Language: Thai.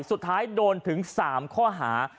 สุดท้ายโดนถึง๓ข้อหา